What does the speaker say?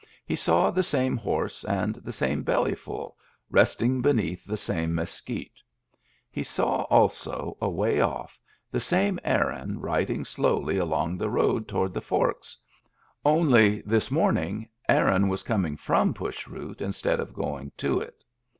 He saw the same horse and the same Bellyful resting beneath the same mesquite. He saw also, away ofiF, the same Aaron riding slowly along the road toward the Forks — only, this morning, Aaron was coming from Push Root instead of going to it.